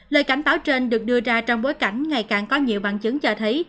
lời cảnh báo trên được đưa ra trong bối cảnh ngày càng có nhiều bằng chứng cho thấy